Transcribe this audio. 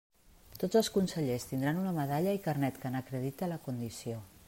Tots els consellers tindran una medalla i carnet que n'acredite la condició.